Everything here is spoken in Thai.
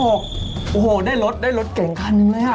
โอ้โฮได้ลดเก่งกันเลยอ่ะ